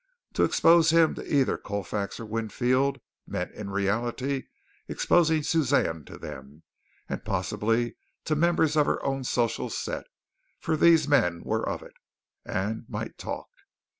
To expose him to either Colfax or Winfield meant in reality exposing Suzanne to them, and possibly to members of her own social set, for these men were of it, and might talk.